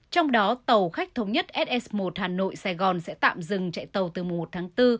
trong đó tàu khách thống nhất ss một hà nội sài gòn sẽ tạm dừng chạy tàu từ mùa một tháng bốn